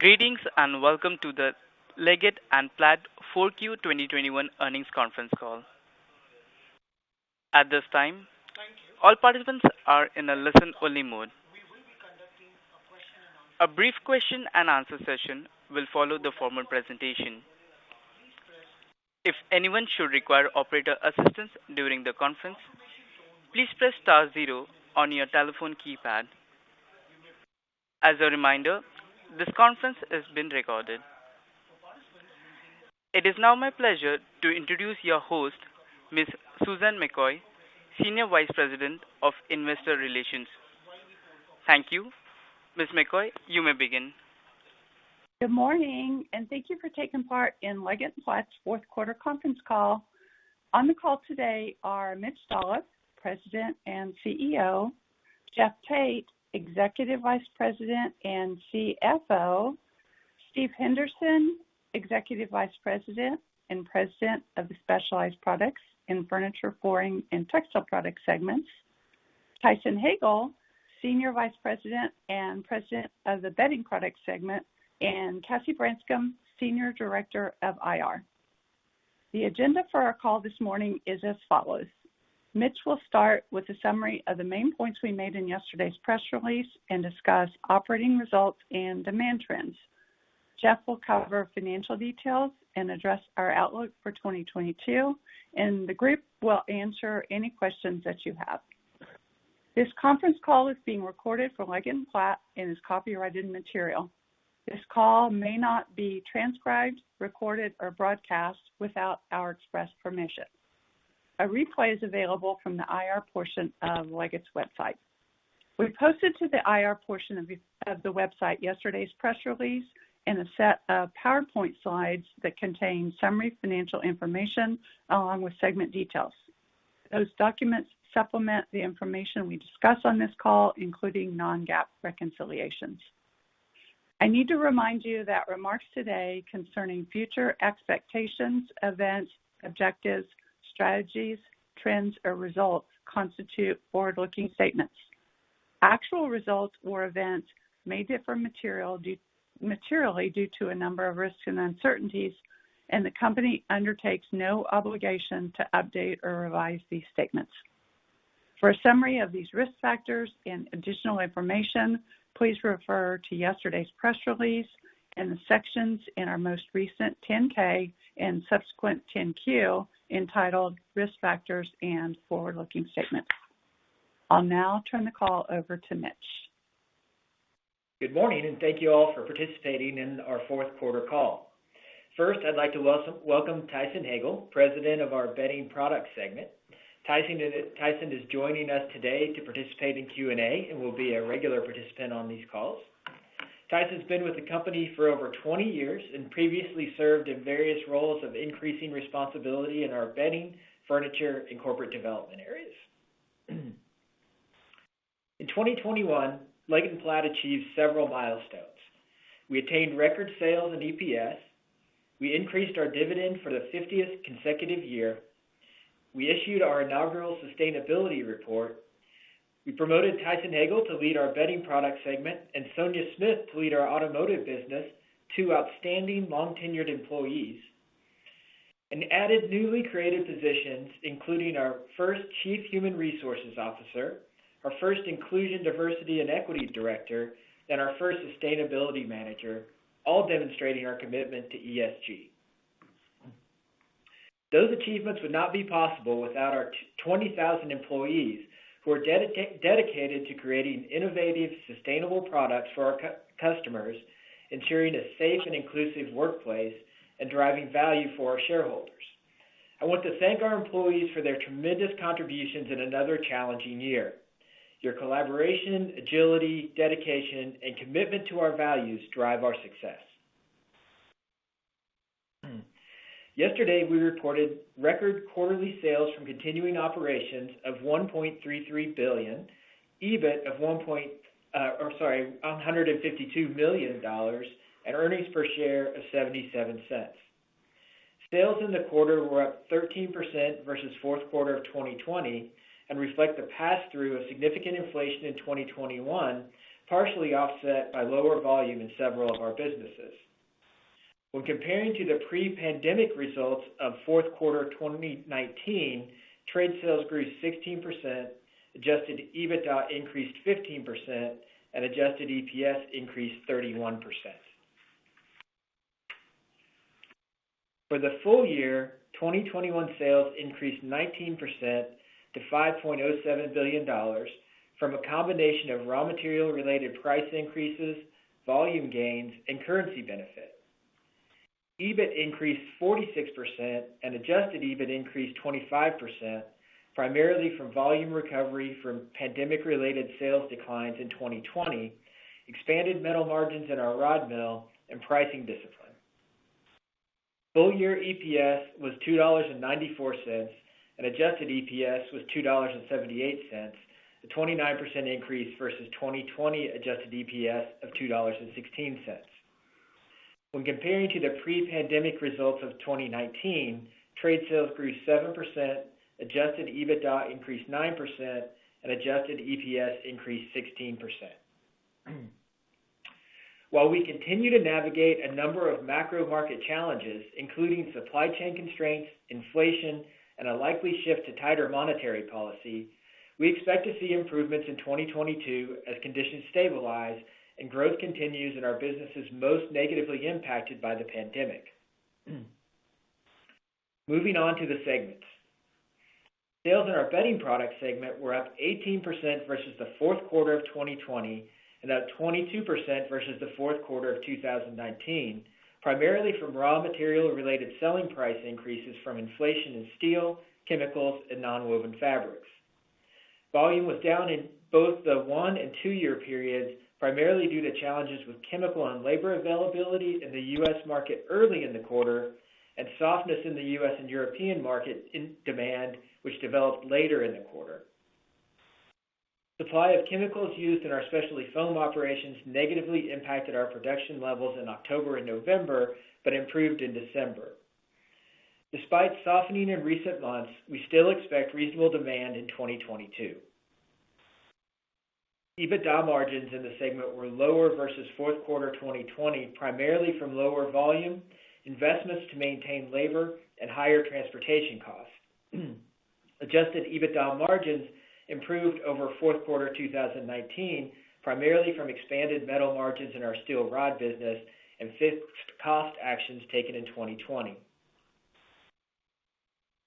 Greetings, and welcome to the Leggett & Platt Q4 2021 earnings conference call. At this time, all participants are in a listen-only mode. A brief question-and-answer session will follow the formal presentation. If anyone should require operator assistance during the conference, please press star zero on your telephone keypad. As a reminder, this conference is being recorded. It is now my pleasure to introduce your host, Ms. Susan McCoy, Senior Vice President of Investor Relations. Thank you. Ms. McCoy, you may begin. Good morning, and thank you for taking part in Leggett & Platt's fourth quarter conference call. On the call today are Mitch Dolloff, President and CEO, Jeff Tate, Executive Vice President and CFO, Steve Henderson, Executive Vice President and President of the Specialized Products and Furniture, Flooring, and Textile Products segments, Tyson Hagale, Senior Vice President and President of the Bedding Products segment, and Cassie Branscum, Senior Director of IR. The agenda for our call this morning is as follows. Mitch will start with a summary of the main points we made in yesterday's press release and discuss operating results and demand trends. Jeff will cover financial details and address our outlook for 2022, and the group will answer any questions that you have. This conference call is being recorded for Leggett & Platt and is copyrighted material. This call may not be transcribed, recorded, or broadcast without our express permission. A replay is available from the IR portion of Leggett & Platt's website. We posted to the IR portion of the website yesterday's press release and a set of PowerPoint slides that contain summary financial information along with segment details. Those documents supplement the information we discuss on this call, including non-GAAP reconciliations. I need to remind you that remarks today concerning future expectations, events, objectives, strategies, trends, or results constitute forward-looking statements. Actual results or events may differ materially due to a number of risks and uncertainties, and the company undertakes no obligation to update or revise these statements. For a summary of these risk factors and additional information, please refer to yesterday's press release in the sections in our most recent 10-K and subsequent 10-Q entitled Risk Factors and Forward-Looking Statements. I'll now turn the call over to Mitch. Good morning, and thank you all for participating in our fourth quarter call. First, I'd like to welcome Tyson Hagale, President of our Bedding Products segment. Tyson is joining us today to participate in Q&A and will be a regular participant on these calls. Tyson's been with the company for over 20 years and previously served in various roles of increasing responsibility in our bedding, furniture, and corporate development areas. In 2021, Leggett & Platt achieved several milestones. We attained record sales and EPS. We increased our dividend for the 50th consecutive year. We issued our inaugural sustainability report. We promoted Tyson Hagale to lead our Bedding Products segment, and Sonia Smith to lead our Automotive business, two outstanding long-tenured employees, and added newly created positions, including our first Chief Human Resources Officer, our first Inclusion, Diversity, and Equity Director, and our first Sustainability Manager, all demonstrating our commitment to ESG. Those achievements would not be possible without our 20,000 employees who are dedicated to creating innovative, sustainable products for our customers, ensuring a safe and inclusive workplace, and driving value for our shareholders. I want to thank our employees for their tremendous contributions in another challenging year. Your collaboration, agility, dedication, and commitment to our values drive our success. Yesterday, we reported record quarterly sales from continuing operations of $1.33 billion, EBIT of $152 million, and earnings per share of $0.77. Sales in the quarter were up 13% versus fourth quarter 2020 and reflect the pass-through of significant inflation in 2021, partially offset by lower volume in several of our businesses. When comparing to the pre-pandemic results of fourth quarter 2019, trade sales grew 16%, adjusted EBITDA increased 15%, and adjusted EPS increased 31%. For the full year, 2021 sales increased 19% to $5.07 billion from a combination of raw material-related price increases, volume gains, and currency benefit. EBIT increased 46% and adjusted EBIT increased 25%, primarily from volume recovery from pandemic-related sales declines in 2020, expanded metal margins in our rod mill, and pricing discipline. Full-year EPS was $2.94, and adjusted EPS was $2.78, a 29% increase versus 2020 adjusted EPS of $2.16. When comparing to the pre-pandemic results of 2019, trade sales grew 7%, adjusted EBITDA increased 9%, and adjusted EPS increased 16%. While we continue to navigate a number of macro market challenges, including supply chain constraints, inflation, and a likely shift to tighter monetary policy, we expect to see improvements in 2022 as conditions stabilize and growth continues in our businesses most negatively impacted by the pandemic. Moving on to the segments. Sales in our Bedding Products segment were up 18% versus the fourth quarter of 2020, and up 22% versus the fourth quarter of 2019, primarily from raw material-related selling price increases from inflation in steel, chemicals, and nonwoven fabrics. Volume was down in both the one- and two-year periods, primarily due to challenges with chemicals and labor availability in the U.S. market early in the quarter, and softness in demand in the U.S. and European markets, which developed later in the quarter. Supply of chemicals used in our specialty foam operations negatively impacted our production levels in October and November, but improved in December. Despite softening in recent months, we still expect reasonable demand in 2022. EBITDA margins in the segment were lower versus fourth quarter 2020, primarily from lower volume, investments to maintain labor, and higher transportation costs. Adjusted EBITDA margins improved over fourth quarter 2019, primarily from expanded metal margins in our steel rod business and fixed cost actions taken in 2020.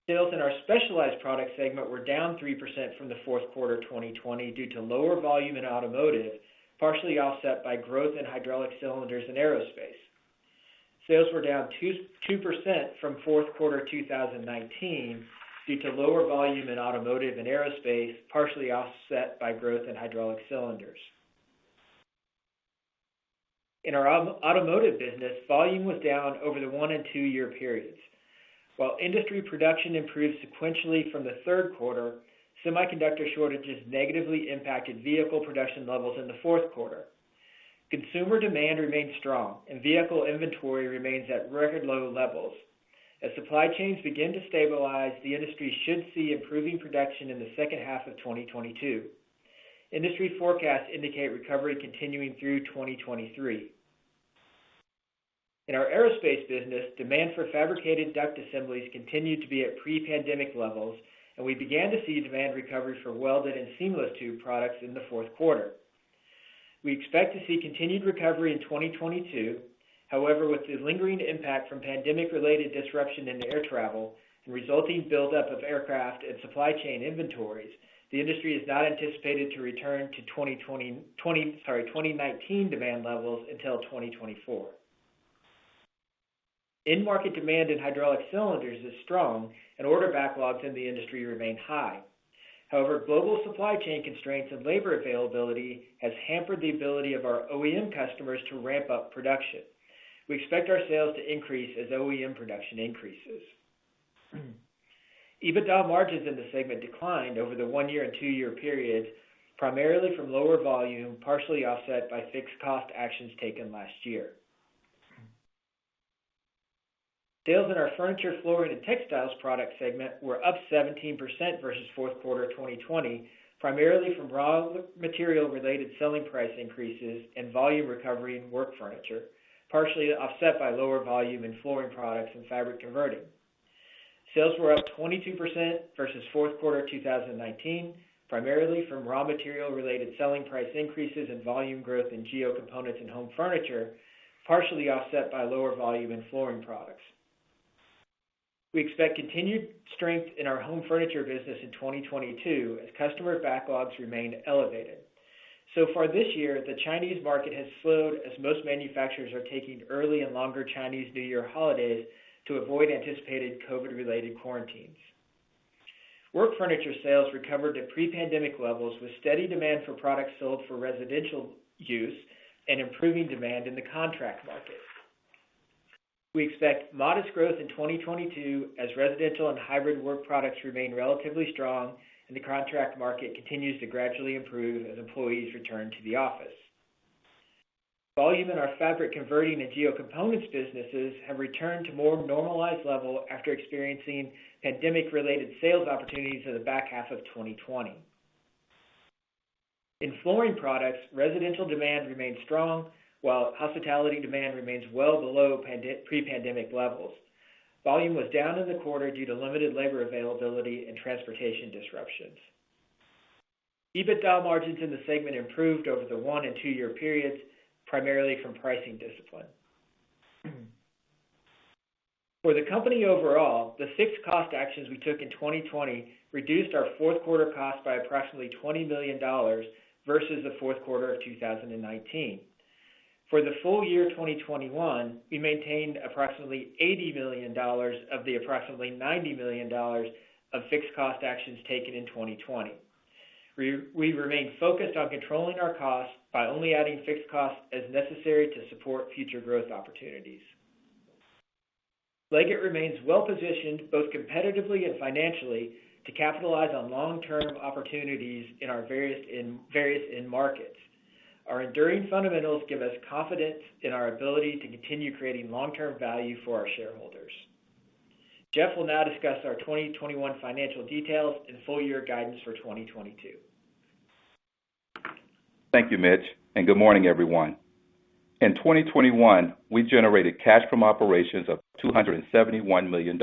Sales in our Specialized Products segment were down 3% from the fourth quarter 2020 due to lower volume in automotive, partially offset by growth in hydraulic cylinders and aerospace. Sales were down 2% from fourth quarter 2019 due to lower volume in automotive and aerospace, partially offset by growth in hydraulic cylinders. In our automotive business, volume was down over the one- and two-year periods. While industry production improved sequentially from the third quarter, semiconductor shortages negatively impacted vehicle production levels in the fourth quarter. Consumer demand remains strong, and vehicle inventory remains at record low levels. As supply chains begin to stabilize, the industry should see improving production in the second half of 2022. Industry forecasts indicate recovery continuing through 2023. In our aerospace business, demand for fabricated duct assemblies continued to be at pre-pandemic levels, and we began to see demand recovery for welded and seamless tube products in the fourth quarter. We expect to see continued recovery in 2022. However, with the lingering impact from pandemic-related disruption in air travel and resulting buildup of aircraft and supply chain inventories, the industry is not anticipated to return to 2019 demand levels until 2024. End market demand in hydraulic cylinders is strong, and order backlogs in the industry remain high. However, global supply chain constraints and labor availability has hampered the ability of our OEM customers to ramp up production. We expect our sales to increase as OEM production increases. EBITDA margins in the segment declined over the one-year and two-year period, primarily from lower volume, partially offset by fixed cost actions taken last year. Sales in our Furniture, Flooring & Textile Products segment were up 17% versus fourth quarter 2020, primarily from raw material related selling price increases and volume recovery in work furniture, partially offset by lower volume in flooring products and fabric converting. Sales were up 22% versus fourth quarter 2019, primarily from raw material related selling price increases and volume growth in Geo Components and home furniture, partially offset by lower volume in flooring products. We expect continued strength in our home furniture business in 2022 as customer backlogs remain elevated. So far this year, the Chinese market has slowed as most manufacturers are taking early and longer Chinese New Year holidays to avoid anticipated COVID related quarantines. Work furniture sales recovered to pre-pandemic levels with steady demand for products sold for residential use and improving demand in the contract market. We expect modest growth in 2022 as residential and hybrid work products remain relatively strong and the contract market continues to gradually improve as employees return to the office. Volume in our fabric converting and geo components businesses have returned to more normalized level after experiencing pandemic related sales opportunities in the back half of 2020. In flooring products, residential demand remains strong while hospitality demand remains well below pre-pandemic levels. Volume was down in the quarter due to limited labor availability and transportation disruptions. EBITDA margins in the segment improved over the one- and two-year periods, primarily from pricing discipline. For the company overall, the fixed cost actions we took in 2020 reduced our fourth quarter cost by approximately $20 million versus the fourth quarter of 2019. For the full year 2021, we maintained approximately $80 million of the approximately $90 million of fixed cost actions taken in 2020. We remain focused on controlling our costs by only adding fixed costs as necessary to support future growth opportunities. Leggett remains well-positioned both competitively and financially to capitalize on long-term opportunities in our various end markets. Our enduring fundamentals give us confidence in our ability to continue creating long-term value for our shareholders. Jeff will now discuss our 2021 financial details and full year guidance for 2022. Thank you, Mitch, and good morning, everyone. In 2021, we generated cash from operations of $271 million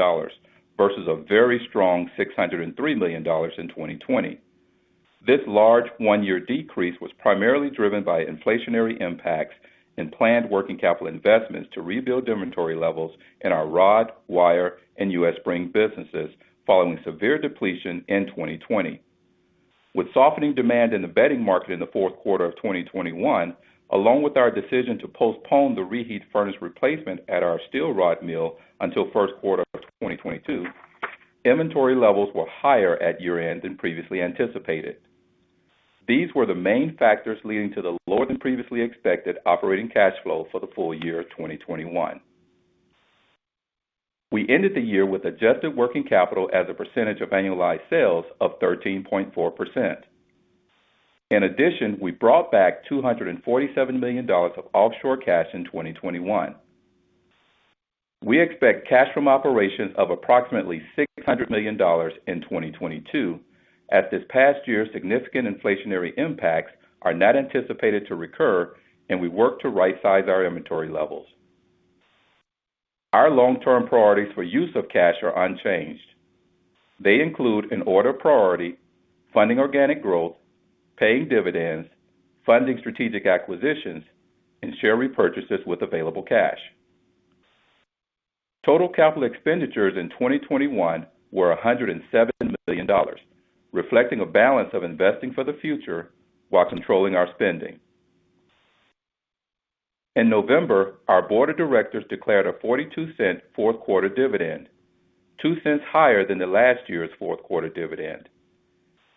versus a very strong $603 million in 2020. This large one-year decrease was primarily driven by inflationary impacts and planned working capital investments to rebuild inventory levels in our rod, wire, and U.S. spring businesses following severe depletion in 2020. With softening demand in the bedding market in the fourth quarter of 2021, along with our decision to postpone the reheat furnace replacement at our steel rod mill until first quarter of 2022, inventory levels were higher at year-end than previously anticipated. These were the main factors leading to the lower than previously expected operating cash flow for the full year 2021. We ended the year with adjusted working capital as a percentage of annualized sales of 13.4%. In addition, we brought back $247 million of offshore cash in 2021. We expect cash from operations of approximately $600 million in 2022 as this past year's significant inflationary impacts are not anticipated to recur, and we work to right-size our inventory levels. Our long-term priorities for use of cash are unchanged. They include, in order of priority, funding organic growth, paying dividends, funding strategic acquisitions, and share repurchases with available cash. Total capital expenditures in 2021 were $107 million, reflecting a balance of investing for the future while controlling our spending. In November, our Board of Directors declared a $0.42 fourth quarter dividend, $0.02 higher than last year's fourth quarter dividend.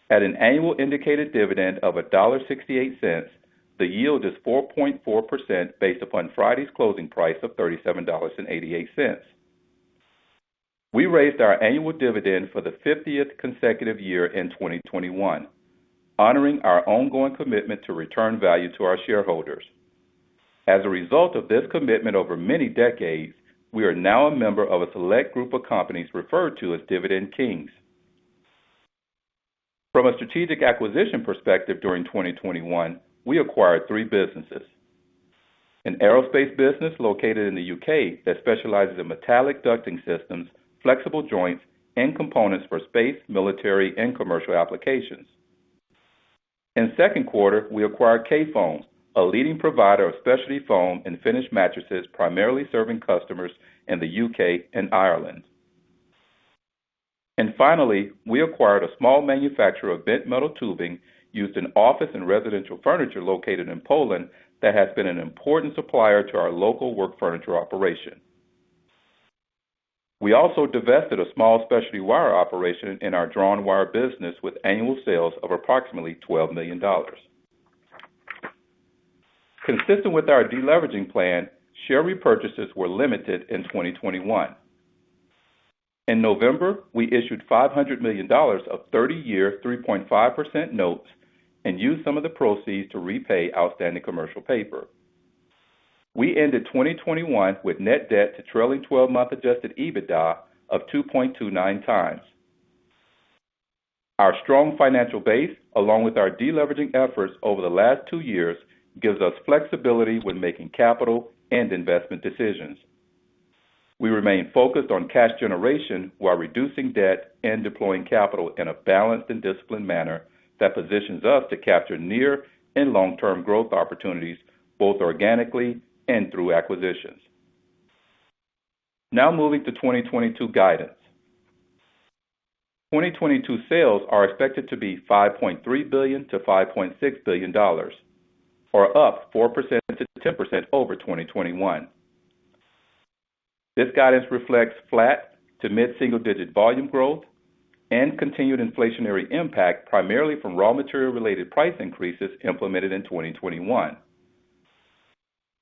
At an annual indicated dividend of $1.68, the yield is 4.4% based upon Friday's closing price of $37.88. We raised our annual dividend for the fiftieth consecutive year in 2021, honoring our ongoing commitment to return value to our shareholders. As a result of this commitment over many decades, we are now a member of a select group of companies referred to as Dividend Kings. From a strategic acquisition perspective during 2021, we acquired three businesses. An aerospace business located in the U.K. that specializes in metallic ducting systems, flexible joints, and components for space, military, and commercial applications. In second quarter, we acquired Kayfoam, a leading provider of specialty foam and finished mattresses, primarily serving customers in the U.K. and Ireland. Finally, we acquired a small manufacturer of bent metal tubing used in office and residential furniture located in Poland that has been an important supplier to our local work furniture operation. We also divested a small specialty wire operation in our drawn wire business with annual sales of approximately $12 million. Consistent with our deleveraging plan, share repurchases were limited in 2021. In November, we issued $500 million of 30-year, 3.5% notes and used some of the proceeds to repay outstanding commercial paper. We ended 2021 with net debt to trailing 12-month adjusted EBITDA of 2.29 times. Our strong financial base, along with our deleveraging efforts over the last two years, gives us flexibility when making capital and investment decisions. We remain focused on cash generation while reducing debt and deploying capital in a balanced and disciplined manner that positions us to capture near- and long-term growth opportunities, both organically and through acquisitions. Now moving to 2022 guidance. 2022 sales are expected to be $5.3 billion-$5.6 billion, or up 4%-10% over 2021. This guidance reflects flat to mid-single-digit volume growth and continued inflationary impact, primarily from raw material-related price increases implemented in 2021.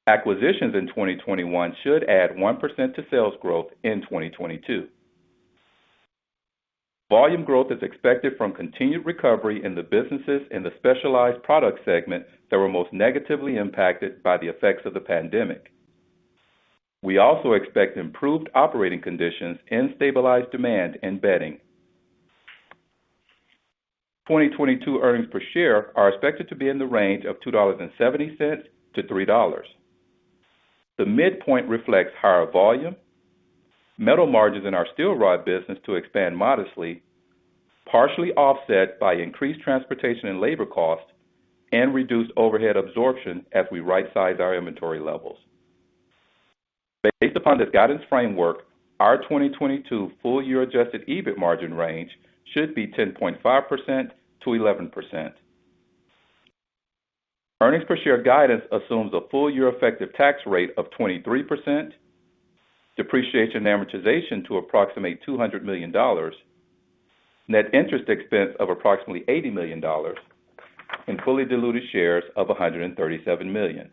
Acquisitions in 2021 should add 1% to sales growth in 2022. Volume growth is expected from continued recovery in the businesses in the Specialized Products segment that were most negatively impacted by the effects of the pandemic. We also expect improved operating conditions and stabilized demand in Bedding. 2022 earnings per share are expected to be in the range of $2.70-$3.00. The midpoint reflects higher volume, metal margins in our steel rod business to expand modestly, partially offset by increased transportation and labor costs and reduced overhead absorption as we right-size our inventory levels. Based upon this guidance framework, our 2022 full year adjusted EBIT margin range should be 10.5%-11%. Earnings per share guidance assumes a full year effective tax rate of 23%, depreciation and amortization to approximate $200 million. Net interest expense of approximately $80 million and fully diluted shares of 137 million.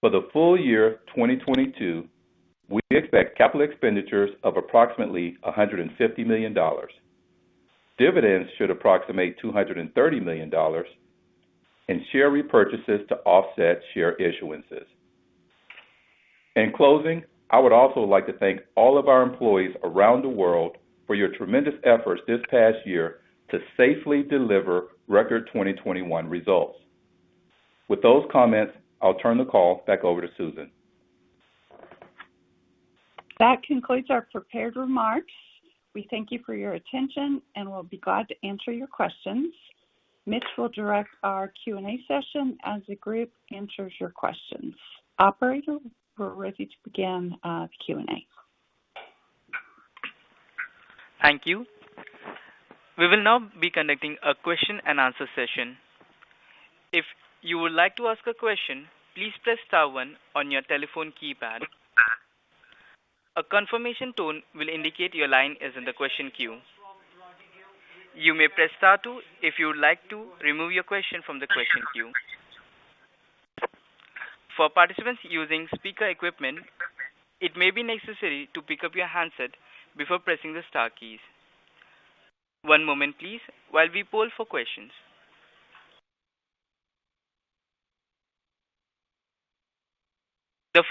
For the full year 2022, we expect capital expenditures of approximately $150 million. Dividends should approximate $230 million and share repurchases to offset share issuances. In closing, I would also like to thank all of our employees around the world for your tremendous efforts this past year to safely deliver record 2021 results. With those comments, I'll turn the call back over to Susan. That concludes our prepared remarks. We thank you for your attention, and we'll be glad to answer your questions. Mitch will direct our Q&A session as the group answers your questions. Operator, we're ready to begin the Q&A. The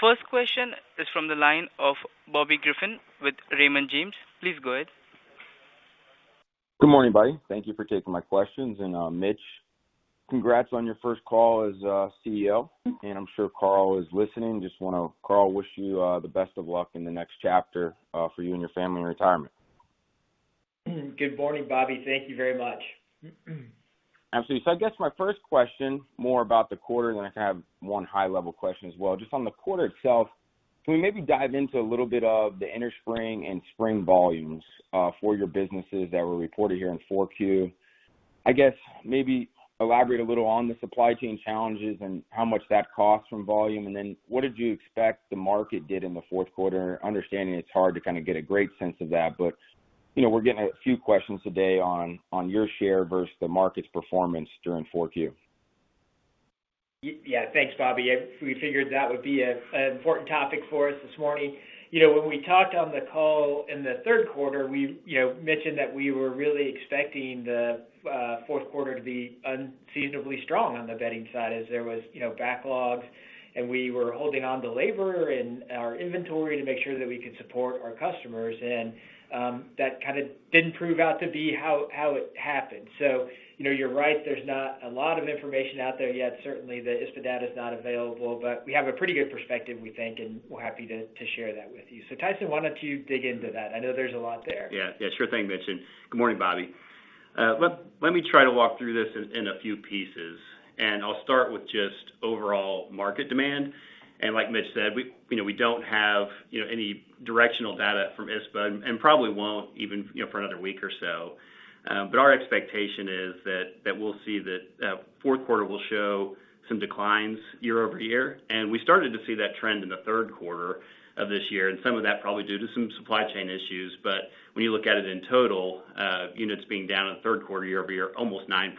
first question is from the line of Bobby Griffin with Raymond James. Please go ahead. Good morning, everybody. Thank you for taking my questions. Mitch, congrats on your first call as CEO, and I'm sure Karl is listening. Just wanna, Karl, wish you the best of luck in the next chapter for you and your family retirement. Good morning, Bobby. Thank you very much. Absolutely. I guess my first question, more about the quarter, then I have one high level question as well. Just on the quarter itself, can we maybe dive into a little bit of the innerspring and spring volumes for your businesses that were reported here in Q4? I guess maybe elaborate a little on the supply chain challenges and how much that costs from volume. What did you expect the market did in the fourth quarter? Understanding it's hard to kinda get a great sense of that, but, you know, we're getting a few questions today on your share versus the market's performance during Q4. Yeah, thanks, Bobby. We figured that would be an important topic for us this morning. You know, when we talked on the call in the third quarter, we, you know, mentioned that we were really expecting the fourth quarter to be unseasonably strong on the Bedding side as there was, you know, backlogs, and we were holding on to labor and our inventory to make sure that we could support our customers. That kinda didn't prove out to be how it happened. You know, you're right, there's not a lot of information out there yet. Certainly, the ISPA data is not available, but we have a pretty good perspective, we think, and we're happy to share that with you. Tyson, why don't you dig into that? I know there's a lot there. Yeah, sure thing, Mitch, and good morning, Bobby. Let me try to walk through this in a few pieces, and I'll start with just overall market demand. Like Mitch said, we don't have any directional data from ISPA and probably won't even, you know, for another week or so. Our expectation is that we'll see that the fourth quarter will show some declines year-over-year. We started to see that trend in the third quarter of this year, and some of that probably due to some supply chain issues. When you look at it in total, units being down in the third quarter year-over-year almost 9%,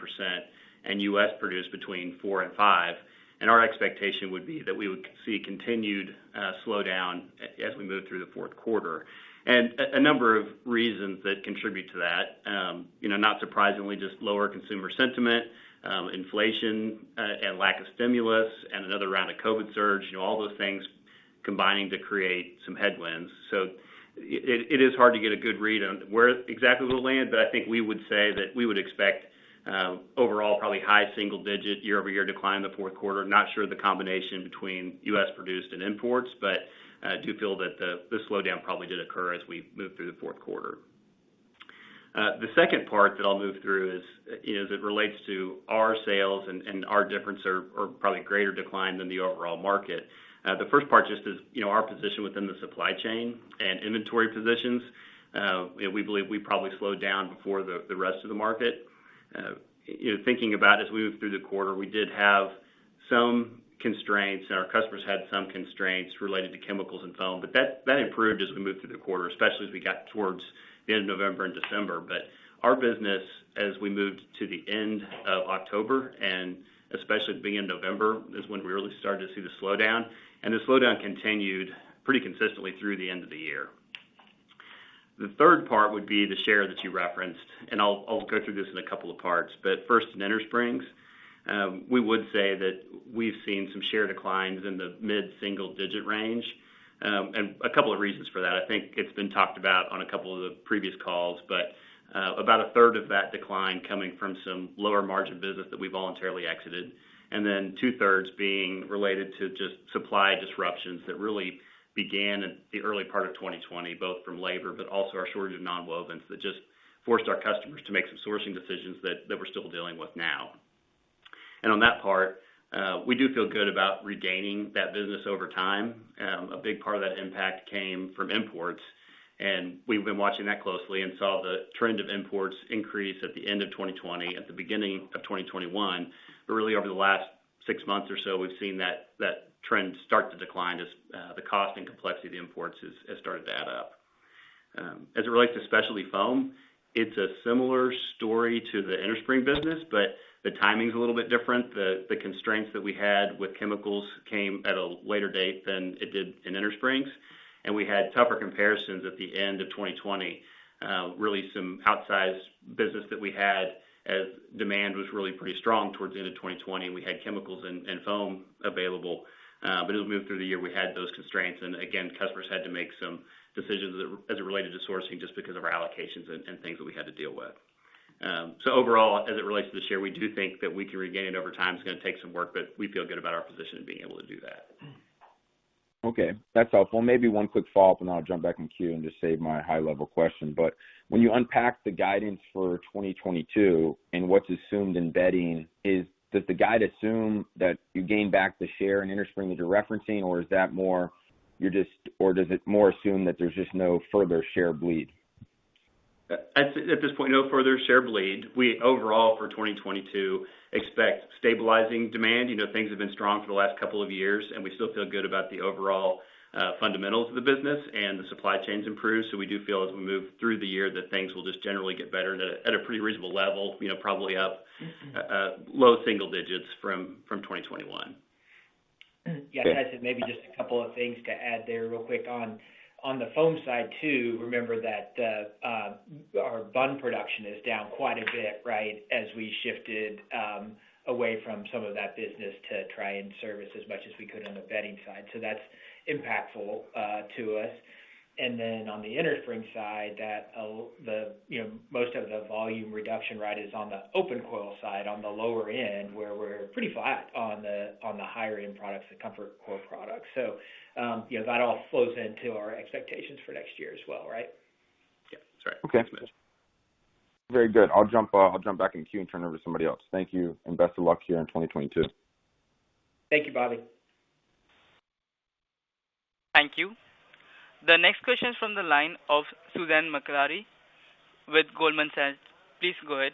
and U.S. produced between 4%-5%. Our expectation would be that we would see continued slowdown as we move through the fourth quarter. A number of reasons that contribute to that, you know, not surprisingly, just lower consumer sentiment, inflation, and lack of stimulus and another round of COVID surge, you know, all those things combining to create some headwinds. It is hard to get a good read on where exactly we'll land, but I think we would say that we would expect, overall probably high single digit year-over-year decline in the fourth quarter. Not sure the combination between U.S. produced and imports, but do feel that the slowdown probably did occur as we moved through the fourth quarter. The second part that I'll move through is as it relates to our sales and our difference or probably greater decline than the overall market. The first part is just, you know, our position within the supply chain and inventory positions. We believe we probably slowed down before the rest of the market. You know, thinking about as we moved through the quarter, we did have some constraints and our customers had some constraints related to chemicals and foam. That improved as we moved through the quarter, especially as we got towards the end of November and December. Our business, as we moved to the end of October, and especially at the beginning of November, is when we really started to see the slowdown, and the slowdown continued pretty consistently through the end of the year. The third part would be the share that you referenced, and I'll go through this in a couple of parts, but first in inner springs, we would say that we've seen some share declines in the mid-single-digit range. A couple of reasons for that. I think it's been talked about on a couple of the previous calls, but about a third of that decline coming from some lower margin business that we voluntarily exited, and then two-thirds being related to just supply disruptions that really began in the early part of 2020, both from labor but also our shortage of nonwovens that just forced our customers to make some sourcing decisions that we're still dealing with now. On that part, we do feel good about regaining that business over time. A big part of that impact came from imports, and we've been watching that closely and saw the trend of imports increase at the end of 2020, at the beginning of 2021. Really over the last six months or so, we've seen that trend start to decline as the cost and complexity of the imports has started to add up. As it relates to specialty foam, it's a similar story to the innerspring business, but the timing's a little bit different. The constraints that we had with chemicals came at a later date than it did in innersprings. We had tougher comparisons at the end of 2020. Really some outsized business that we had as demand was really pretty strong towards the end of 2020, and we had chemicals and foam available. As we moved through the year, we had those constraints, and again, customers had to make some decisions as it related to sourcing just because of our allocations and things that we had to deal with. Overall, as it relates to the share, we do think that we can regain it over time. It's gonna take some work, but we feel good about our position in being able to do that. Okay, that's helpful. Maybe one quick follow-up, and then I'll jump back in queue and just save my high level question. When you unpack the guidance for 2022 and what's assumed in bedding is, does the guide assume that you gain back the share in innerspring that you're referencing, or does it more assume that there's just no further share bleed? At this point, no further share bleed. We overall for 2022 expect stabilizing demand. You know, things have been strong for the last couple of years, and we still feel good about the overall fundamentals of the business and the supply chains improve. We do feel as we move through the year that things will just generally get better at a pretty reasonable level, you know, probably up low single digits from 2021. Okay. Yeah. Tyson, maybe just a couple of things to add there real quick. On the foam side too, remember that our bun production is down quite a bit, right? As we shifted away from some of that business to try and service as much as we could on the bedding side. That's impactful to us. On the innerspring side, you know, most of the volume reduction, right, is on the open coil side on the lower end, where we're pretty flat on the higher end products, the ComfortCore products. You know, that all flows into our expectations for next year as well, right? Yeah, that's right. Okay. Mitch. Very good. I'll jump back in queue and turn it over to somebody else. Thank you, and best of luck here in 2022. Thank you, Bobby. Thank you. The next question is from the line of Susan Maklari with Goldman Sachs. Please go ahead.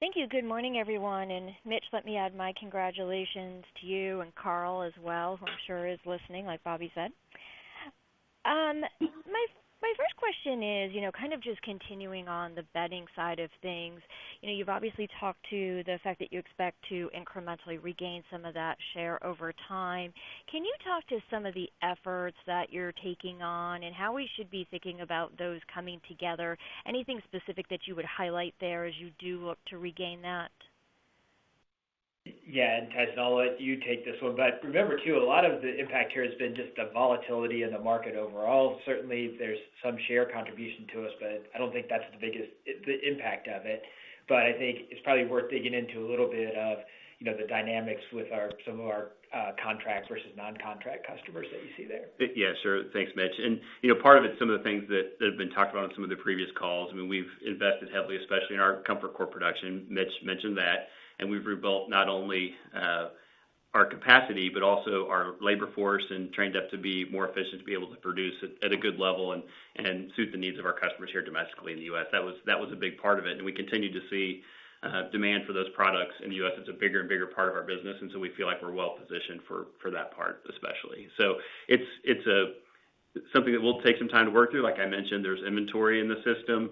Thank you. Good morning, everyone. Mitch, let me add my congratulations to you and Karl as well, who I'm sure he's listening, like Bobby said. My first question is, you know, kind of just continuing on the bedding side of things. You know, you've obviously talked about the fact that you expect to incrementally regain some of that share over time. Can you talk to some of the efforts that you're taking on and how we should be thinking about those coming together? Anything specific that you would highlight there as you do look to regain that? Yeah. Tyson, I'll let you take this one. Remember too, a lot of the impact here has been just the volatility in the market overall. Certainly, there's some share contribution to us, but I don't think that's the biggest impact of it. I think it's probably worth digging into a little bit of, you know, the dynamics with our, some of our, contract versus non-contract customers that you see there. Yes, sure. Thanks, Mitch. You know, part of it's some of the things that have been talked about on some of the previous calls. I mean, we've invested heavily, especially in our ComfortCore production. Mitch mentioned that, and we've rebuilt not only our capacity, but also our labor force and trained up to be more efficient, to be able to produce at a good level and suit the needs of our customers here domestically in the U.S. That was a big part of it. We continue to see demand for those products in the U.S. It's a bigger and bigger part of our business, and so we feel like we're well positioned for that part especially. It's something that we'll take some time to work through. Like I mentioned, there's inventory in the system.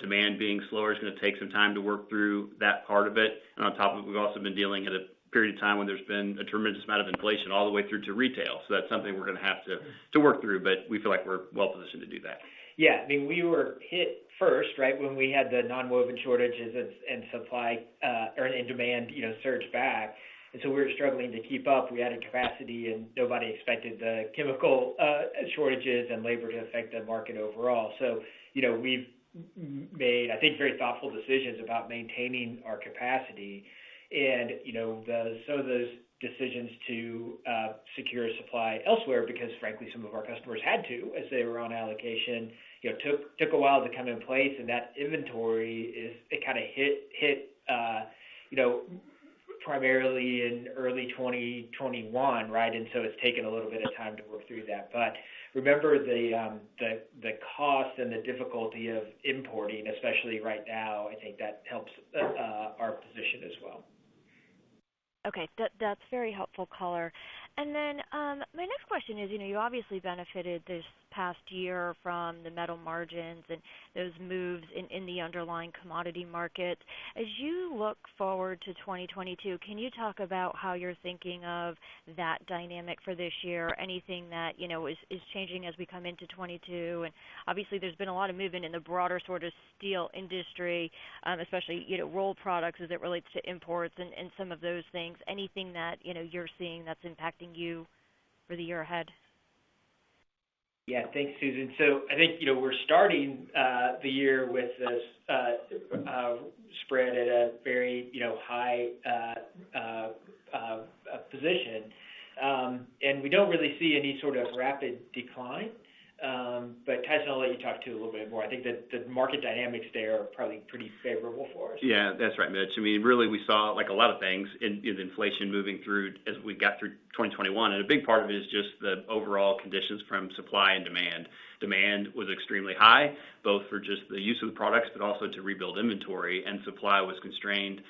Demand being slower is gonna take some time to work through that part of it. On top of it, we've also been dealing with a period of time when there's been a tremendous amount of inflation all the way through to retail. That's something we're gonna have to work through, but we feel like we're well positioned to do that. Yeah. I mean, we were hit first, right, when we had the nonwoven shortages and supply and demand, you know, surge back. We were struggling to keep up. We added capacity, and nobody expected the chemical shortages and labor to affect the market overall. You know, we've made, I think, very thoughtful decisions about maintaining our capacity. You know, some of those decisions to secure supply elsewhere, because frankly some of our customers had to, as they were on allocation, you know, took a while to come in place. That inventory kind of hit, you know, primarily in early 2021, right? It's taken a little bit of time to work through that. Remember the cost and the difficulty of importing, especially right now. I think that helps our position as well. Okay. That's very helpful color. My next question is, you know, you obviously benefited this past year from the metal margins and those moves in the underlying commodity market. As you look forward to 2022, can you talk about how you're thinking of that dynamic for this year? Anything that, you know, is changing as we come into 2022? Obviously there's been a lot of movement in the broader sort of steel industry, especially, you know, rolled products as it relates to imports and some of those things. Anything that, you know, you're seeing that's impacting you for the year ahead? Yeah. Thanks, Susan. I think, you know, we're starting the year with this spread at a very, you know, high position. We don't really see any sort of rapid decline. Tyson, I'll let you talk about it a little bit more. I think that the market dynamics there are probably pretty favorable for us. Yeah, that's right, Mitch. I mean, really, we saw like a lot of things in inflation moving through as we got through 2021. A big part of it is just the overall conditions from supply and demand. Demand was extremely high, both for just the use of the products but also to rebuild inventory. Supply was constrained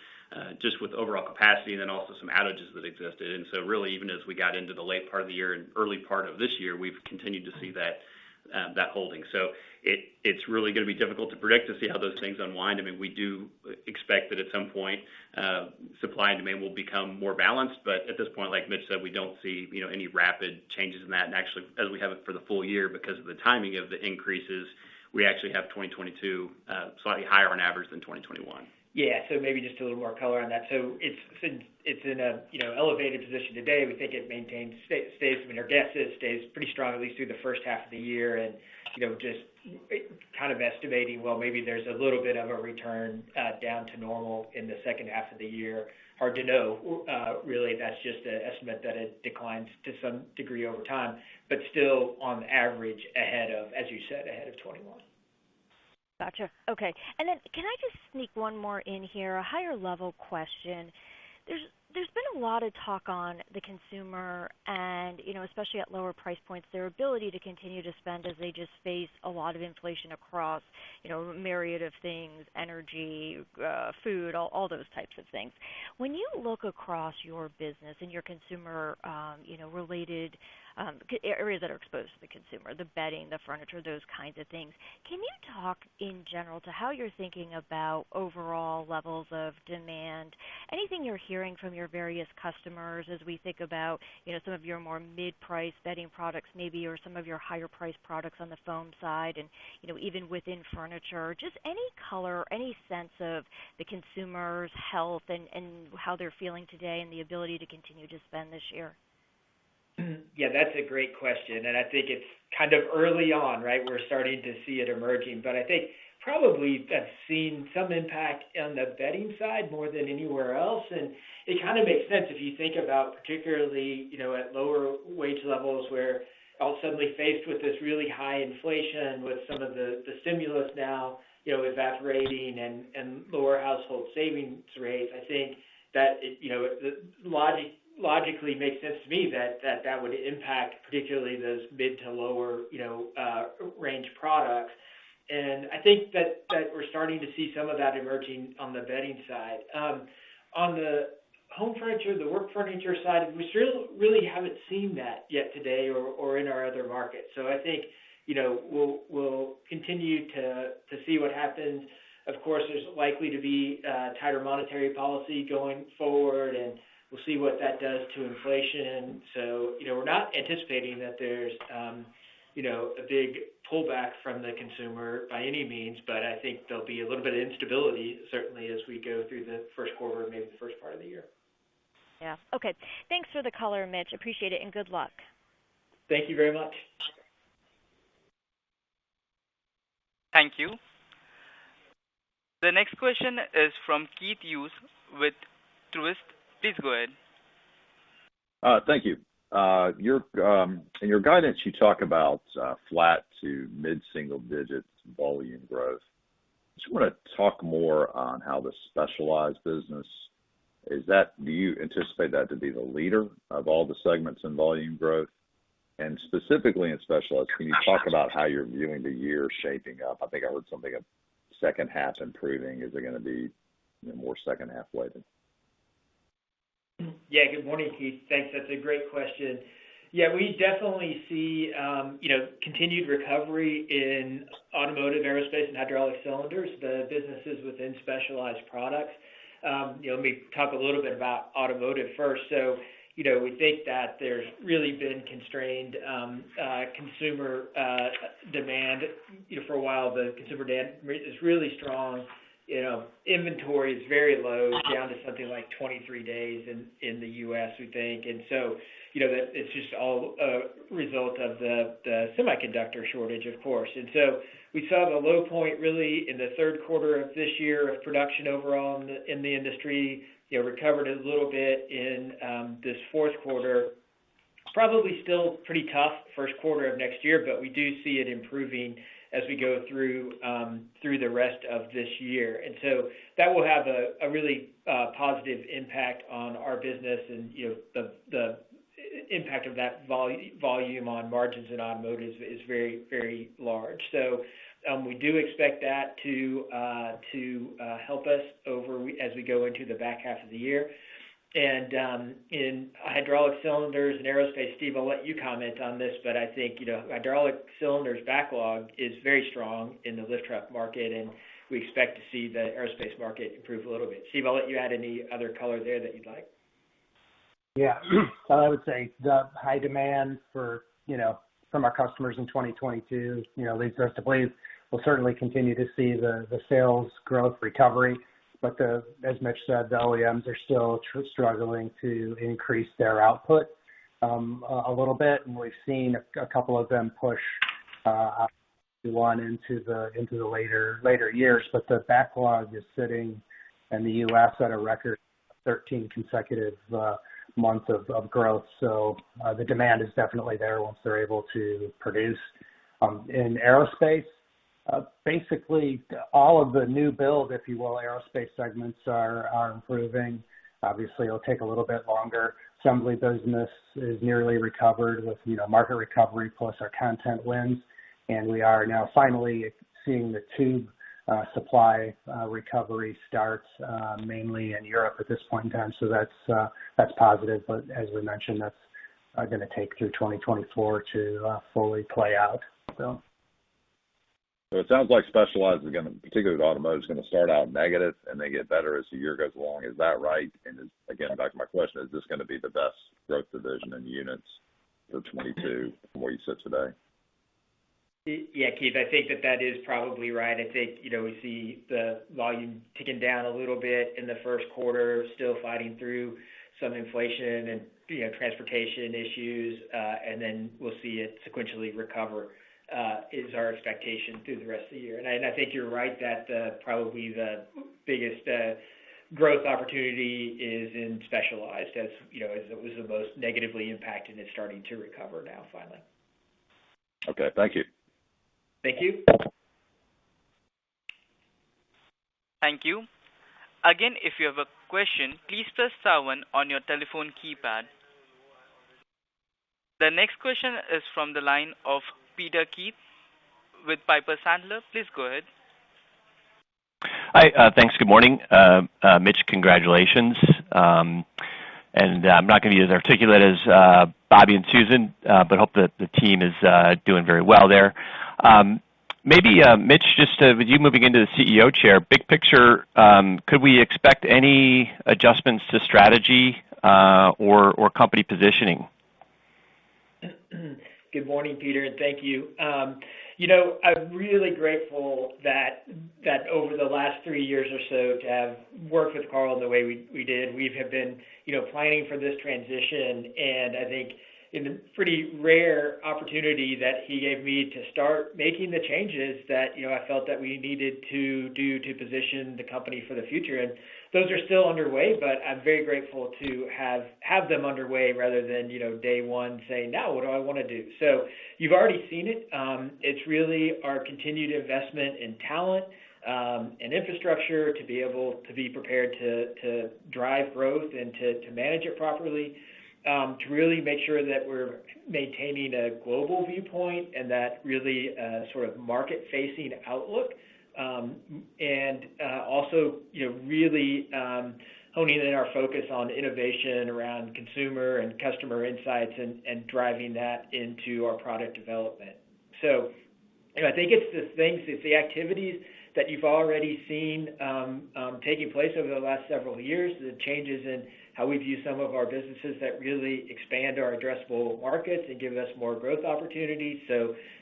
just with overall capacity and then also some outages that existed. Really, even as we got into the late part of the year and early part of this year, we've continued to see that holding. It's really gonna be difficult to predict, to see how those things unwind. I mean, we do expect that at some point supply and demand will become more balanced. At this point, like Mitch said, we don't see, you know, any rapid changes in that. Actually, as we have it for the full year because of the timing of the increases, we actually have 2022 slightly higher on average than 2021. Yeah. Maybe just a little more color on that. It's in an elevated position today. We think it stays, I mean, our guess is stays pretty strong at least through the first half of the year. You know, just kind of estimating, well, maybe there's a little bit of a return down to normal in the second half of the year. Hard to know. Really, that's just an estimate that it declines to some degree over time, but still on average ahead of, as you said, ahead of 2021. Gotcha. Okay. Can I just sneak one more in here? A higher level question. There's been a lot of talk on the consumer and, you know, especially at lower price points, their ability to continue to spend as they just face a lot of inflation across, you know, a myriad of things, energy, food, all those types of things. When you look across your business and your consumer, you know, related areas that are exposed to the consumer, the bedding, the furniture, those kinds of things, can you talk in general to how you're thinking about overall levels of demand? Anything you're hearing from your various customers as we think about, you know, some of your more mid-price bedding products maybe, or some of your higher priced products on the foam side and, you know, even within furniture. Just any color or any sense of the consumer's health and how they're feeling today and the ability to continue to spend this year? Yeah, that's a great question, and I think it's kind of early on, right? We're starting to see it emerging. I think probably have seen some impact on the bedding side more than anywhere else. It kind of makes sense if you think about particularly, you know, at lower wage levels where all suddenly faced with this really high inflation, with some of the stimulus now, you know, evaporating and lower household savings rates. I think that it, you know, logically makes sense to me that that would impact particularly those mid to lower, you know, range products. I think that we're starting to see some of that emerging on the bedding side. On the home furniture, the work furniture side, we still really haven't seen that yet today or in our other markets. I think, you know, we'll continue to see what happens. Of course, there's likely to be tighter monetary policy going forward, and we'll see what that does to inflation. You know, we're not anticipating that there's a big pullback from the consumer by any means. I think there'll be a little bit of instability, certainly as we go through the first quarter and maybe the first part of the year. Yeah. Okay. Thanks for the color, Mitch. I appreciate it, and good luck. Thank you very much. Okay. Thank you. The next question is from Keith Hughes with Truist. Please go ahead. Thank you. In your guidance you talk about flat to mid-single digits volume growth. Just wanna talk more on the Specialized Products. Do you anticipate that to be the leader of all the segments in volume growth? Specifically in Specialized Products, can you talk about how you're viewing the year shaping up? I think I heard something about second half improving. Is it gonna be more second half weighted? Yeah. Good morning, Keith. Thanks. That's a great question. Yeah, we definitely see, you know, continued recovery in automotive, aerospace and hydraulic cylinders, the businesses within Specialized Products. You know, let me talk a little bit about automotive first. You know, we think that there's really been constrained consumer demand, you know, for a while. The consumer demand is really strong. You know, inventory is very low, down to something like 23 days in the U.S., we think. You know, that's just all a result of the semiconductor shortage, of course. We saw the low point really in the third quarter of this year of production overall in the industry, you know, recovered a little bit in this fourth quarter. Probably still pretty tough first quarter of next year, but we do see it improving as we go through the rest of this year. That will have a really positive impact on our business. You know, the impact of that volume on margins in Automotive is very large. We do expect that to help us out as we go into the back half of the year. In hydraulic cylinders and aerospace, Steve, I'll let you comment on this, but I think, you know, hydraulic cylinders backlog is very strong in the lift truck market, and we expect to see the aerospace market improve a little bit. Steve, I'll let you add any other color there that you'd like. Yeah. I would say the high demand for, you know, from our customers in 2022, you know, leads us to believe we'll certainly continue to see the sales growth recovery. But as Mitch said, the OEMs are still struggling to increase their output a little bit. We've seen a couple of them push. Run into the later years. The backlog is sitting in the U.S. at a record 13 consecutive months of growth. The demand is definitely there once they're able to produce. In aerospace, basically all of the new build, if you will, aerospace segments are improving. Obviously, it'll take a little bit longer. Assembly business is nearly recovered with, you know, market recovery plus our content wins, and we are now finally seeing the tube supply recovery starts mainly in Europe at this point in time. That's positive. As we mentioned, that's gonna take through 2024 to fully play out. It sounds like Specialized is gonna particularly the Automotive is gonna start out negative and they get better as the year goes along. Is that right? Then again, back to my question, is this gonna be the best growth division in units for 2022 from what you said today? Yeah, Keith, I think that is probably right. I think, you know, we see the volume ticking down a little bit in the first quarter, still fighting through some inflation and, you know, transportation issues, and then we'll see it sequentially recover, is our expectation through the rest of the year. I think you're right that probably the biggest growth opportunity is in Specialized. That's, you know, it was the most negatively impacted and starting to recover now finally. Okay, thank you. Thank you. Thank you. Again, if you have a question, please press star one on your telephone keypad. The next question is from the line of Peter Keith with Piper Sandler. Please go ahead. Hi. Thanks. Good morning. Mitch, congratulations. I'm not gonna be as articulate as Bobby and Susan, but I hope that the team is doing very well there. Maybe, Mitch, just with you moving into the CEO chair, big picture, could we expect any adjustments to strategy, or company positioning? Good morning, Peter, and thank you. You know, I'm really grateful that over the last three years or so to have worked with Karl the way we did. We have been you know planning for this transition, and I think in a pretty rare opportunity that he gave me to start making the changes that you know I felt that we needed to do to position the company for the future. Those are still underway, but I'm very grateful to have them underway rather than you know day one saying, "Now what do I wanna do?" You've already seen it. It's really our continued investment in talent and infrastructure to be prepared to drive growth and to manage it properly, to really make sure that we're maintaining a global viewpoint and that really sort of market-facing outlook. Also, you know, really honing in our focus on innovation around consumer and customer insights and driving that into our product development. You know, I think it's the activities that you've already seen taking place over the last several years, the changes in how we view some of our businesses that really expand our addressable markets and give us more growth opportunities.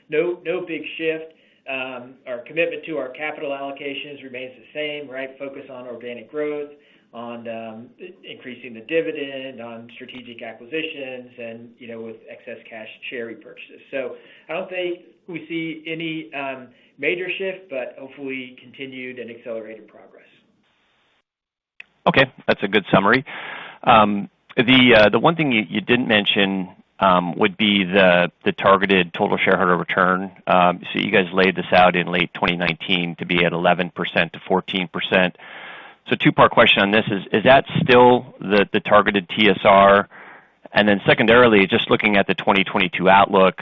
No big shift. Our commitment to our capital allocations remains the same, right? Focus on organic growth, on increasing the dividend, on strategic acquisitions and, you know, with excess cash share repurchases. I don't think we see any major shift, but hopefully continued and accelerated progress. Okay. That's a good summary. The one thing you didn't mention would be the targeted total shareholder return. You guys laid this out in late 2019 to be at 11%-14%. Two-part question on this is that still the targeted TSR? And then secondarily, just looking at the 2022 outlook,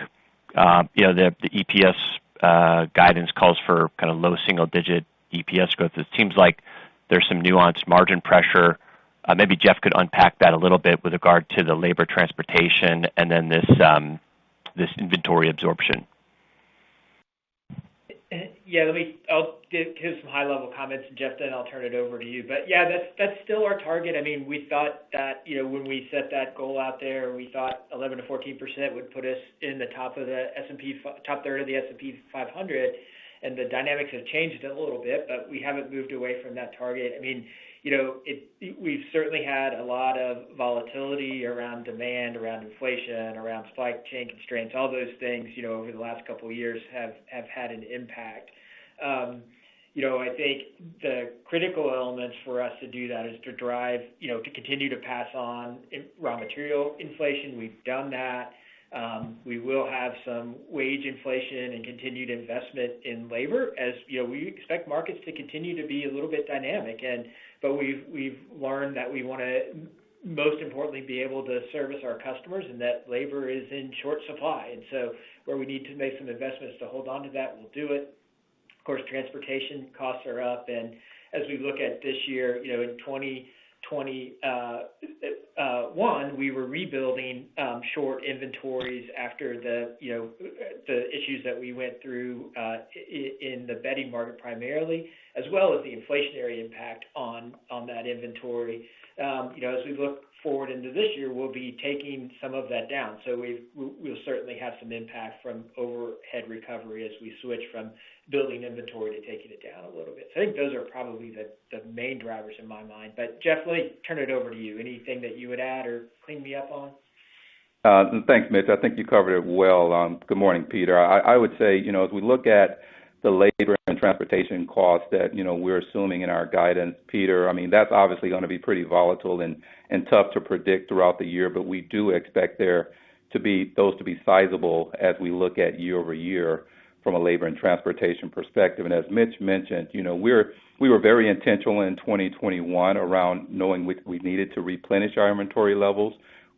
you know, the EPS guidance calls for kind of low single-digit EPS growth. It seems like there's some nuanced margin pressure. Maybe Jeff could unpack that a little bit with regard to the labor, transportation and then this inventory absorption. Yeah, let me. I'll give some high-level comments, Jeff, then I'll turn it over to you. Yeah, that's still our target. I mean, we thought that, you know, when we set that goal out there, we thought 11%-14% would put us in the top third of the S&P 500, and the dynamics have changed a little bit, but we haven't moved away from that target. I mean, you know, we've certainly had a lot of volatility around demand, around inflation, around supply chain constraints. All those things, you know, over the last couple of years have had an impact. You know, I think the critical elements for us to do that is to drive, you know, to continue to pass on raw material inflation. We've done that. We will have some wage inflation and continued investment in labor as, you know, we expect markets to continue to be a little bit dynamic. But we've learned that we wanna most importantly, be able to service our customers, and that labor is in short supply. So where we need to make some investments to hold onto that, we'll do it. Of course, transportation costs are up, and as we look at this year, you know, in 2021, we were rebuilding short inventories after the, you know, the issues that we went through in the bedding market primarily, as well as the inflationary impact on that inventory. You know, as we look forward into this year, we'll be taking some of that down. We'll certainly have some impact from overhead recovery as we switch from building inventory to taking it down a little bit. I think those are probably the main drivers in my mind. Jeff, let me turn it over to you. Anything that you would add or clean me up on? Thanks, Mitch. I think you covered it well. Good morning, Peter. I would say, you know, as we look at the labor and transportation costs that, you know, we're assuming in our guidance, Peter, I mean, that's obviously gonna be pretty volatile and tough to predict throughout the year. We do expect those to be sizable as we look at year-over-year from a labor and transportation perspective. As Mitch mentioned, you know, we were very intentional in 2021 around knowing we needed to replenish our inventory levels.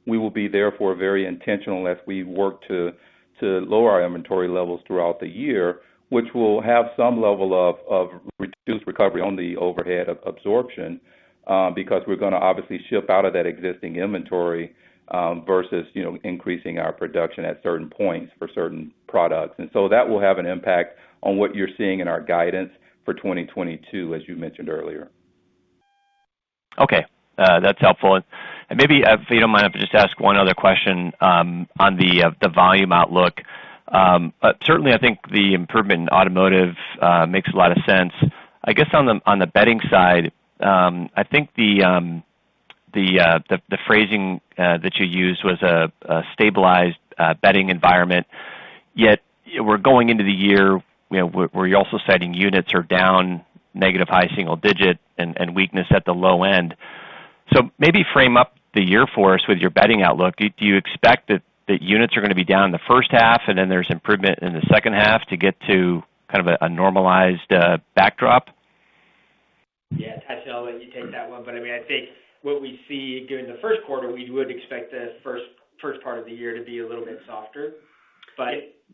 We will be therefore very intentional as we work to lower our inventory levels throughout the year, which will have some level of reduced recovery on the overhead absorption, because we're gonna obviously ship out of that existing inventory, versus, you know, increasing our production at certain points for certain products. That will have an impact on what you're seeing in our guidance for 2022, as you mentioned earlier. Okay, that's helpful. Maybe, if you don't mind, if I just ask one other question, on the volume outlook. Certainly I think the improvement in automotive makes a lot of sense. I guess on the bedding side, I think the phrasing that you used was a stabilized bedding environment, yet we're going into the year, you know, where you're also citing units are down negative high single digit and weakness at the low end. Maybe frame up the year for us with your bedding outlook. Do you expect that units are gonna be down in the first half, and then there's improvement in the second half to get to kind of a normalized backdrop? Yeah. Tyson, I'll let you take that one. I mean, I think what we see during the first quarter, we would expect the first part of the year to be a little bit softer.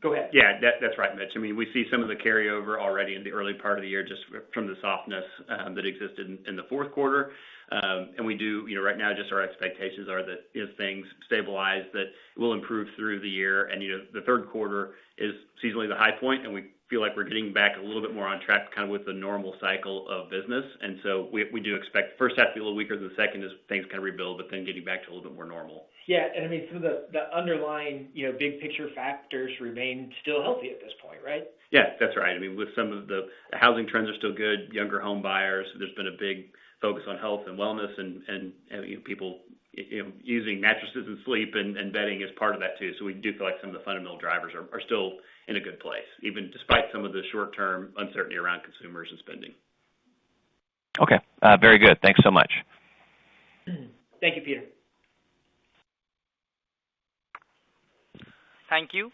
Go ahead. Yeah. That's right, Mitch. I mean, we see some of the carryover already in the early part of the year just from the softness that existed in the fourth quarter. You know, right now, just our expectations are that if things stabilize, that will improve through the year. You know, the third quarter is seasonally the high point, and we feel like we're getting back a little bit more on track kind of with the normal cycle of business. So we do expect the first half to be a little weaker than the second as things kind of rebuild, but then getting back to a little bit more normal. Yeah. I mean, some of the underlying, you know, big picture factors remain still healthy at this point, right? Yeah. That's right. I mean, the housing trends are still good, younger home buyers. There's been a big focus on health and wellness and you know, people you know, using mattresses and sleep and bedding as part of that too. We do feel like some of the fundamental drivers are still in a good place, even despite some of the short-term uncertainty around consumers and spending. Okay. Very good. Thanks so much. Thank you, Peter. Thank you.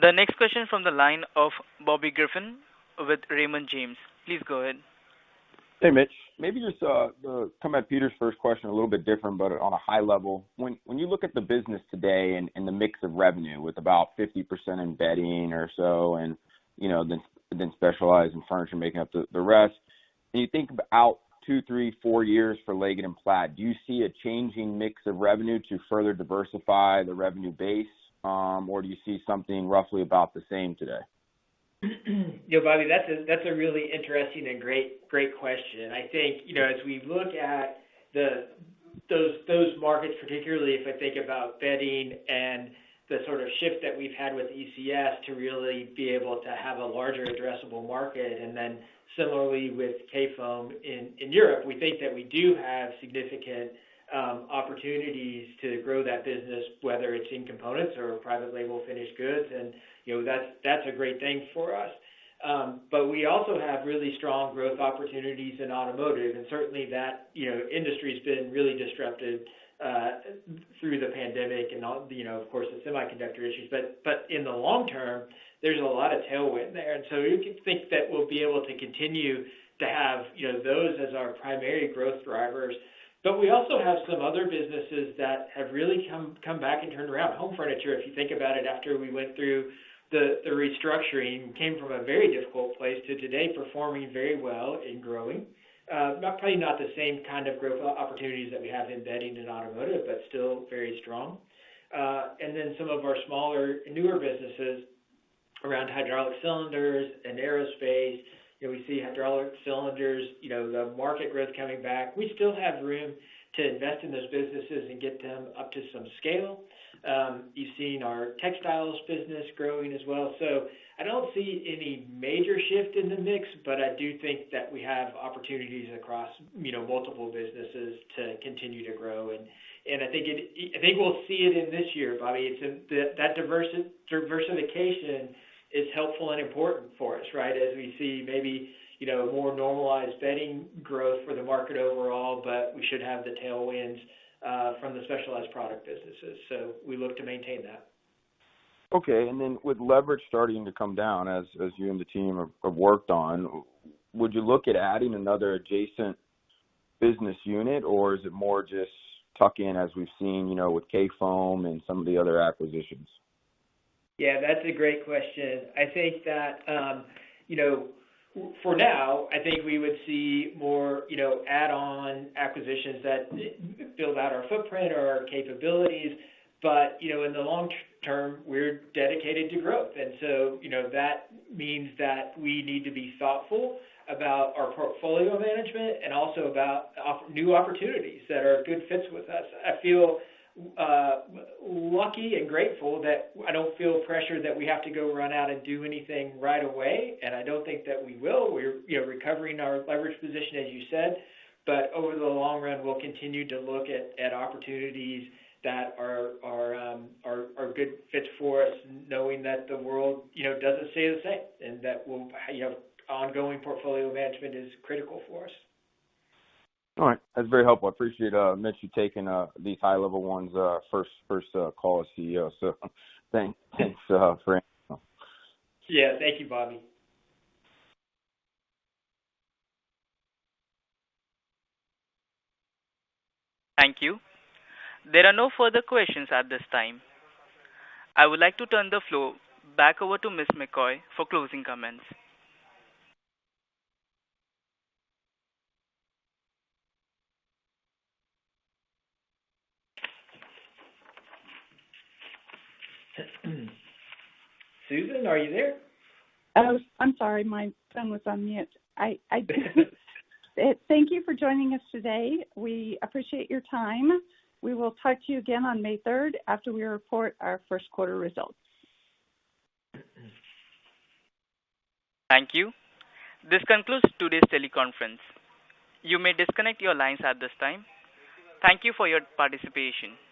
The next question from the line of Bobby Griffin with Raymond James. Please go ahead. Hey, Mitch. Maybe just come at Peter's first question a little bit different, but on a high level. When you look at the business today and the mix of revenue with about 50% in Bedding or so, and you know, then Specialized and Furniture making up the rest, and you think out two, three, four years for Leggett & Platt, do you see a changing mix of revenue to further diversify the revenue base? Or do you see something roughly about the same today? You know, Bobby, that's a really interesting and great question. I think, you know, as we look at those markets, particularly if I think about bedding and the sort of shift that we've had with ECS to really be able to have a larger addressable market, and then similarly with Kayfoam in Europe, we think that we do have significant opportunities to grow that business, whether it's in components or private label finished goods. You know, that's a great thing for us. But we also have really strong growth opportunities in automotive. Certainly that industry's been really disrupted through the pandemic and all, you know, of course, the semiconductor issues. But in the long term, there's a lot of tailwind there. You can think that we'll be able to continue to have, you know, those as our primary growth drivers. We also have some other businesses that have really come back and turned around. Home furniture, if you think about it, after we went through the restructuring, came from a very difficult place to today performing very well and growing. Probably not the same kind of growth opportunities that we have in Bedding and Automotive, but still very strong. Some of our smaller, newer businesses around hydraulic cylinders and aerospace. You know, we see hydraulic cylinders, you know, the market growth coming back. We still have room to invest in those businesses and get them up to some scale. You've seen our Textiles business growing as well. I don't see any major shift in the mix, but I do think that we have opportunities across, you know, multiple businesses to continue to grow. I think we'll see it in this year, Bobby. That diversification is helpful and important for us, right? As we see maybe, you know, more normalized Bedding growth for the market overall, but we should have the tailwinds from the Specialized Products businesses. We look to maintain that. Okay. With leverage starting to come down as you and the team have worked on, would you look at adding another adjacent business unit, or is it more just tuck in as we've seen, you know, with Kayfoam and some of the other acquisitions? Yeah, that's a great question. I think that, you know, for now, I think we would see more, you know, add-on acquisitions that build out our footprint or our capabilities. You know, in the long term, we're dedicated to growth. You know, that means that we need to be thoughtful about our portfolio management and also about new opportunities that are good fits with us. I feel lucky and grateful that I don't feel pressure that we have to go run out and do anything right away, and I don't think that we will. We're, you know, recovering our leverage position, as you said. Over the long run, we'll continue to look at opportunities that are good fits for us, knowing that the world, you know, doesn't stay the same, and that we'll, you know, ongoing portfolio management is critical for us. All right. That's very helpful. I appreciate, Mitch, you taking these high level ones first call as CEO. Thanks for it. Yeah. Thank you, Bobby. Thank you. There are no further questions at this time. I would like to turn the floor back over to Ms. McCoy for closing comments. Susan, are you there? Oh, I'm sorry. My phone was on mute. Thank you for joining us today. We appreciate your time. We will talk to you again on May 3rd after we report our first quarter results. Thank you. This concludes today's teleconference. You may disconnect your lines at this time. Thank you for your participation.